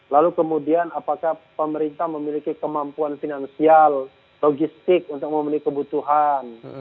lalu kemudian apakah pemerintah memiliki kemampuan finansial logistik untuk memenuhi kebutuhan